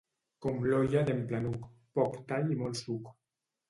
Com l'olla d'en Planuc, poc tall i molt suc.